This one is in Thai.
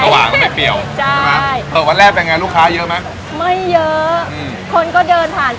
จากตอนแรกที่เราคิดว่าเราเปิดขายแค่ชิลไม่กี่โต๊ะ